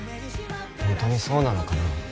ホントにそうなのかな。